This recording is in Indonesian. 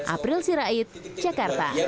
april sirait jakarta